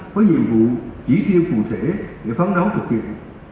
với nhiệm vụ chỉ tiêu phụ thể để phán đấu thực hiện